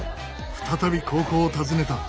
再び高校を訪ねた。